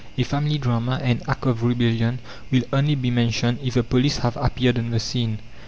A family drama, an act of rebellion, will only be mentioned if the police have appeared on the scene.